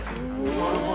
なるほど。